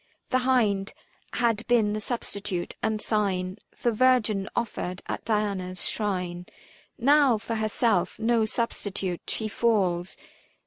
The hind had been the substitute and sign For virgin offered at Diana's shrine ; Now for herself, no substitute, she falls.